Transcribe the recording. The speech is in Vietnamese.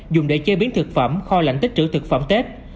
dùng để chế biến thực phẩm kho lạnh tích trữ thực phẩm tết